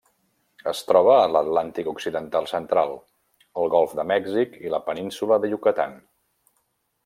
Es troba a l'Atlàntic occidental central: el golf de Mèxic i la península de Yucatán.